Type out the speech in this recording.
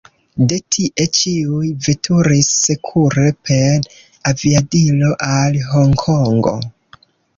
De tie ĉiuj veturis sekure per aviadilo al Honkongo.